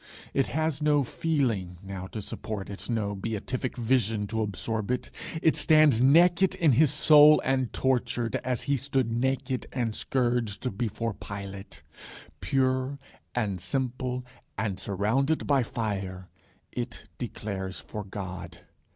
It has no feeling now to support it, no beatific vision to absorb it. It stands naked in his soul and tortured, as he stood naked and scourged before Pilate. Pure and simple and surrounded by fire, it declares for God.